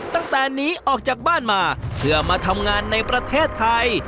ตั้งแต่หนีออกจากบ้านมาเพื่อมาทำงานในประเทศไทย